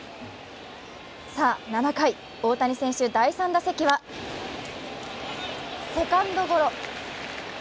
さぁ、７回、大谷選手の第３打席はセカンドゴロ。